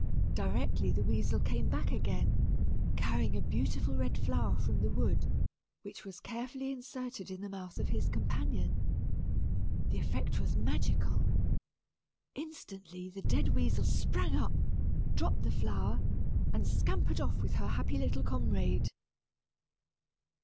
Directly the weasel came back again, carrying a beautiful red flower from the wood, which was carefully inserted in the mouth of his companion. The effect was magical. Instantly, the dead weasel sprang up, dropped the flower, and scampered off with her happy little comrade.